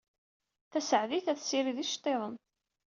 Tasaɛdit at sirrid iceṭṭiḍen.